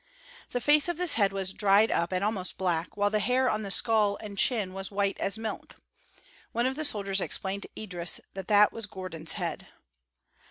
The face of this head was dried up and almost black, while the hair on the skull and the chin was as white as milk. One of the soldiers explained to Idris that that was Gordon's head.